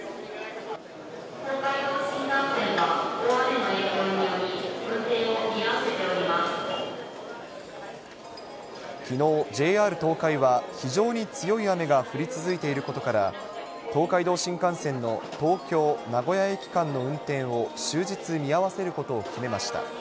東海道新幹線は大雨の影響により、きのう、ＪＲ東海は非常に強い雨が降り続いていることから、東海道新幹線の東京・名古屋駅間の運転を終日見合わせることを決めました。